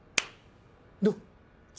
どう？